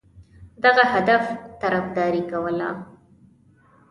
دغه هدف طرفداري کوله.